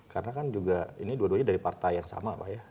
karena kan juga ini dua duanya dari partai yang sama pak ya